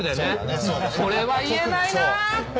それは言えないなって。